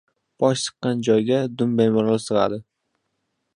• Bosh siqqan joyga dum bemalol sig‘adi.